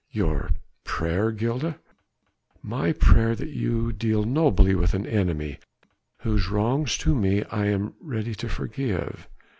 "Your prayer, Gilda?" "My prayer that you deal nobly with an enemy, whose wrongs to me I am ready to forgive...."